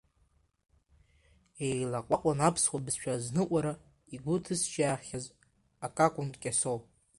Еилаҟәаҟәан аԥсуа бызшәа азныҟәара, игәы ҭызшьаахьаз акакәын Кьасоу.